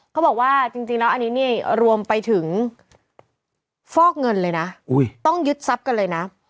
เขาบอกว่าจริงแล้วอันนี้เนี่ยรวมไปถึงฟอกเงินเลยนะต้องยึดทรัพย์กันเลยนะ